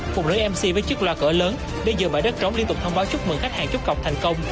phùng nữ mc với chiếc loa cỡ lớn đến giờ bãi đất trống liên tục thông báo chúc mừng khách hàng chốt cọc thành công